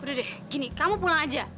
udah deh gini kamu pulang aja